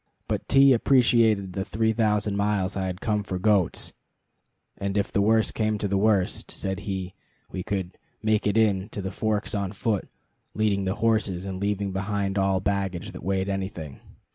But T appreciated the three thousand miles I had come for goats; and if the worst came to the worst, said he, we could "make it in" to the Forks on foot, leading the horses, and leaving behind all baggage that weighed anything.